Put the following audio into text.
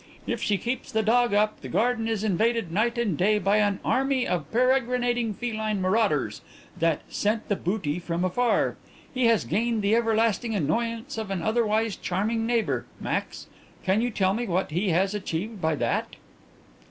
If she keeps the dog up, the garden is invaded night and day by an army of peregrinating feline marauders that scent the booty from afar. He has gained the everlasting annoyance of an otherwise charming neighbour, Max. Can you tell me what he has achieved by that?"